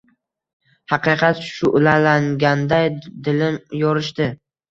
Haqiqat shuʼlalanganday dilim yorishdi.